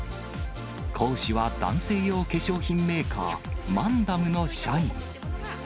講師は男性用化粧品メーカー、マンダムの社員。